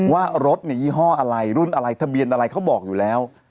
ว่ารถยี่ห้ออะไรรุ่นอะไรทะเบียนอะไรเขาบอกอยู่แล้ว